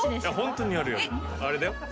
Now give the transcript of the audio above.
あれだよ。